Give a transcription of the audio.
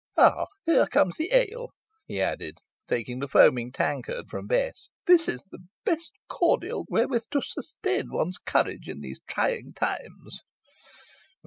Ah! here comes the ale!" he added, taking the foaming tankard from Bess; "this is the best cordial wherewith to sustain one's courage in these trying times."